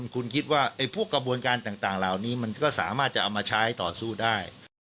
คุณคิดว่าพวกกระบวนการต่างเหล่านี้มันก็สามารถจะเอามาใช้ต่อสู้ได้